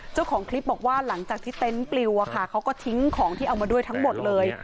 เจ้าของคลิปบอกว่าหลังจากที่เต็นต์ปลิวเขาก็ทิ้งของที่เอามาด้วยทั้งหมดเลย